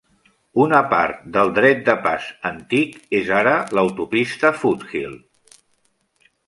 Una part del "dret de pas" antic és ara l'autopista Foothill.